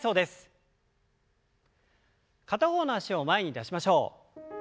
片方の脚を前に出しましょう。